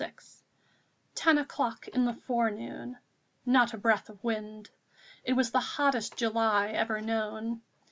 VI Ten o'clock in the forenoon. Not a breath of wind. It was the hottest July ever known.